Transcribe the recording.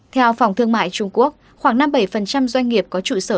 theo phòng thương mại trung quốc khoảng năm mươi bảy doanh nghiệp có trụ sở